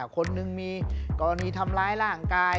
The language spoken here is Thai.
คนหนึ่งมีกรณีทำร้ายร่างกาย